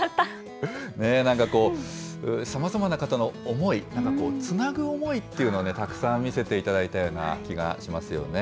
なんかこう、さまざまな方の思い、つなぐ思いっていうのをたくさん見せていただいたような気がしますよね。